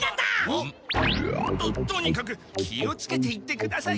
ん？ととにかく気をつけて行ってくださいよ。